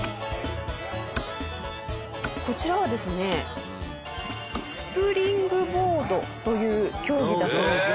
こちらはですねスプリングボードという競技だそうです。